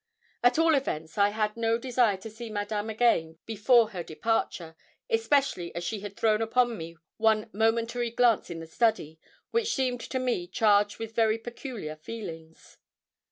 At all events I had no desire to see Madame again before her departure, especially as she had thrown upon me one momentary glance in the study, which seemed to me charged with very peculiar feelings.